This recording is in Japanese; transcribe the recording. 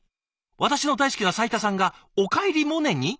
私の大好きな斉田さんがおかえりモネに！？